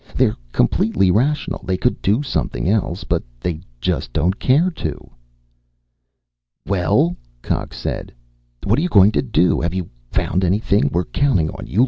They're completely rational; they could do something else, but they just don't care to." "Well?" Cox said. "What are you going to do? Have you found anything? We're counting on you.